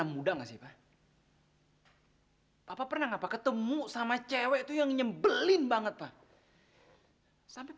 masa lembur sampai jam segini